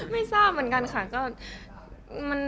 ไม่ทราบเหมือนกันค่ะ